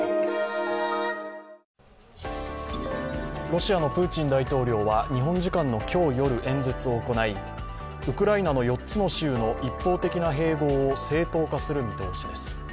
ロシアのプーチン大統領は日本時間の今日夜、演説を行いウクライナの４つの州の一方的な併合を正当化する見通しです。